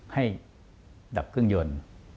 ให้ดัสเครื่องยนต์